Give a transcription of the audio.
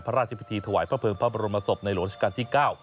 พระราชพิธีถวายพระเภิงพระบรมศพในหลวงราชการที่๙